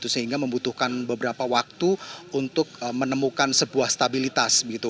sehingga membutuhkan beberapa waktu untuk menemukan sebuah stabilitas